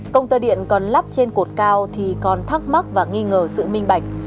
công tơ điện còn lắp trên cột cao thì còn thắc mắc và nghi ngờ sự minh bạch